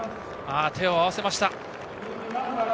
手を合わせました。